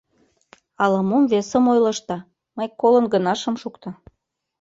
Ала-мом весым ойлышда, мый колын гына шым шукто.